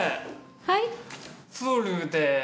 はい。